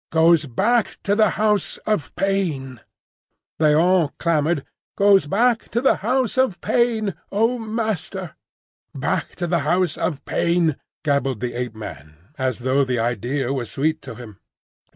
"Goes back to the House of Pain," they all clamoured,—"goes back to the House of Pain, O Master!" "Back to the House of Pain,—back to the House of Pain," gabbled the Ape man, as though the idea was sweet to him.